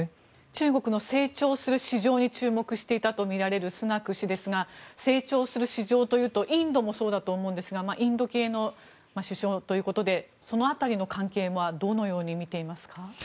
中国の成長する市場に注目していたとみられるスナク氏ですが成長する市場というとインドもそうだと思いますがインド系の首相ということでその辺りの関係はどのように見ていますか。